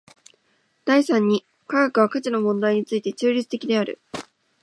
第三に科学は価値の問題について中立的である。